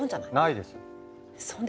ないです！